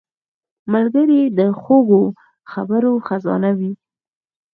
ملګری د خوږو خبرو خزانه وي